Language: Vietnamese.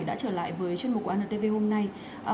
đã trở lại với chương trình của antv hôm nay